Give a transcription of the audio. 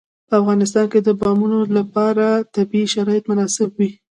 په افغانستان کې د بادامو لپاره طبیعي شرایط مناسب دي.